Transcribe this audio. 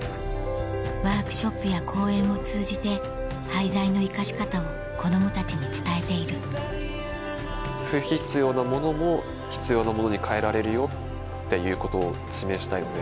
ワークショップや講演を通じて廃材の活かし方を子供たちに伝えている不必要なものも必要なものに変えられるよっていうことを示したいので。